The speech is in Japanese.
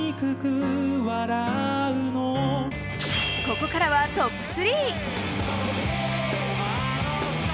ここからはトップ３。